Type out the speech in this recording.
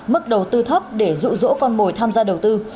mức đầu tư thấp để rụ rỗ con mồi tham gia đầu tư